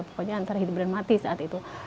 pokoknya antara hidup dan mati saat itu